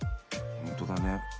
ほんとだね。